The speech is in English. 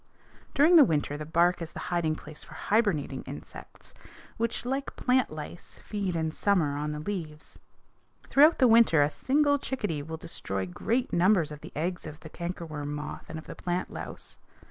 During the winter the bark is the hiding place for hibernating insects, which, like plant lice, feed in summer on the leaves. Throughout the winter a single chickadee will destroy great numbers of the eggs of the cankerworm moth and of the plant louse.